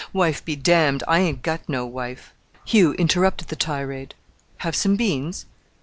Wife be damned! I ain't got no wife." Hugh interrupted the tirade. "Have some beans?"